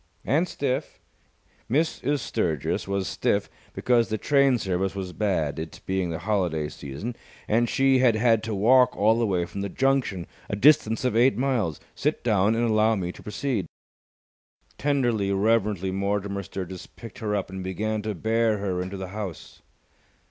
"And stiff." "Mrs. Sturgis was stiff because the train service was bad, it being the holiday season, and she had had to walk all the way from the junction, a distance of eight miles. Sit down and allow me to proceed." Tenderly, reverently Mortimer Sturgis picked her up and began to bear her into the house.